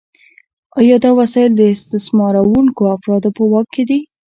آیا دا وسایل د استثمارونکو افرادو په واک کې دي؟